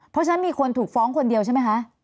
เพราะฉะนั้นมีคนถูกฟ้องคนเดียวใช่ไหมคะ